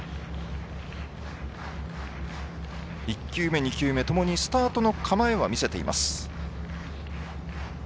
１球目、２球目ともにスタートの構えは見せています。